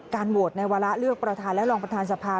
โหวตในวาระเลือกประธานและรองประธานสภา